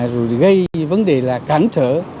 rồi gây vấn đề là cắn trở